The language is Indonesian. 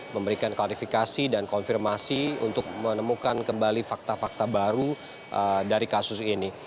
memberikan klarifikasi dan konfirmasi untuk menemukan kembali fakta fakta baru dari kasus ini